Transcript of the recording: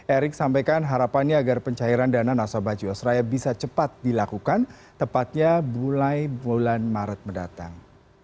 erick sampaikan harapannya agar pencairan dana nasabah jiwasraya bisa cepat dilakukan tepatnya mulai bulan maret mendatang